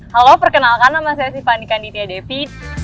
halo perkenalkan nama saya siva andika nditiya devi